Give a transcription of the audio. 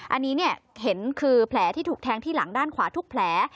อันนี้เห็นคือแผลที่ถูกแทงที่หลังด้านขวาทุกแผล